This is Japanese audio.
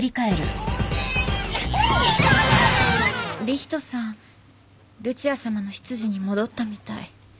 理人さんルチアさまの執事に戻ったみたい。